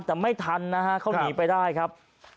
แต่ไม่ทันนะฮะเขาหนีไปได้ครับ